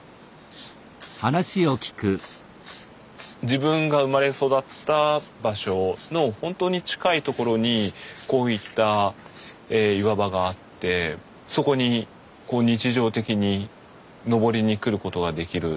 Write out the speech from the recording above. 自分が生まれ育った場所の本当に近いところにこういった岩場があってそこに日常的に登りに来ることができる。